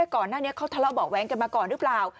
ก่อนหน้านี้เขาทะเลาะเบาะแว้งกันมาก่อนหรือเปล่า